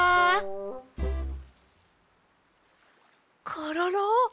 コロロ！